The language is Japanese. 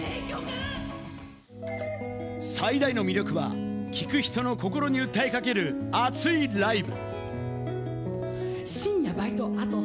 最大の魅力は、聞く人の心に訴えかける熱いライブ。